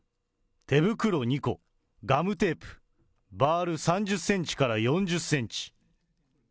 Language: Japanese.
手袋２個、ガムテープ、バール３０センチから４０センチ。